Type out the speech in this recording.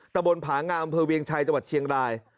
ตะบนผางาอำเภอเวียงชัยจังหวัดเชียงราย